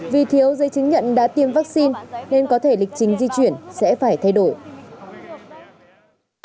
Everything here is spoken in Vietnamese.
vì thiếu dây chứng nhận đã tiêm vaccine nên có thể lịch trình di chuyển sẽ phải thay đổi